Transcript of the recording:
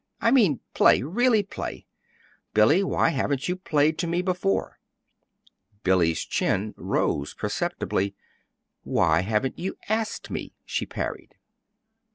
I mean play really play. Billy, why haven't you played to me before?" Billy's chin rose perceptibly. "Why haven't you asked me?" she parried.